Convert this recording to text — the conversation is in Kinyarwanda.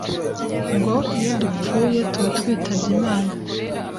ngo iyo dupfuye tuba twitabye imana